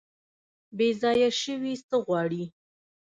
بیځایه شوي څه غواړي؟